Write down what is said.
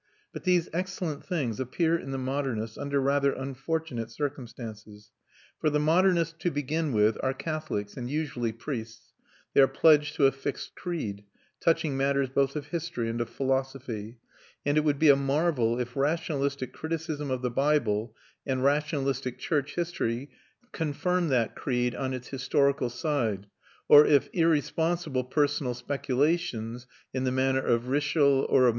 But these excellent things appear in the modernists under rather unfortunate circumstances. For the modernists to begin with are Catholics, and usually priests; they are pledged to a fixed creed, touching matters both of history and of philosophy; and it would be a marvel if rationalistic criticism of the Bible and rationalistic church history confirmed that creed on its historical side, or if irresponsible personal speculations, in the manner of Ritschl or of M.